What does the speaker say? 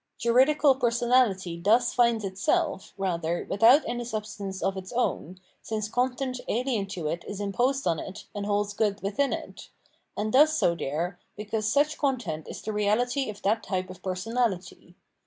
Juridical personality thus finds itself, rather, without any substance of its own, since content alien to it is imposed on it and holds good within it, — and does so there, because such content is the reahty of that type of personality.